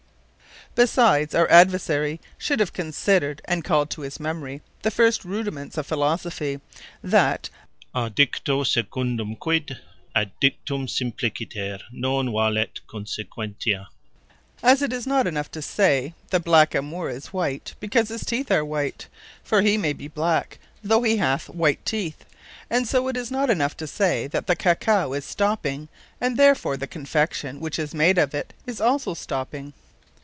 Besides, our Adversary should have considered, and called to his memory, the first rudiments of Philosophy, that à dicto secundum quid, ad dictum simpliciter, non valet consequentia; As it is not enough to say, the Black a Moore is white, because his teeth are white; for he may be blacke, though he hath white teeth; and so it is not enough to say, that the Cacao is stopping; and therefore the Confection, which is made of it, is also stopping.